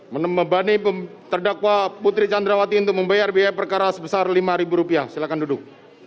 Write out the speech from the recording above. membebani terdakwa putri candrawati untuk membayar biaya perkara sebesar rp lima silakan duduk